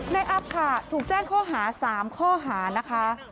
นายอาผะถูกแจ้งข้อหา๓ข้อหานะคะ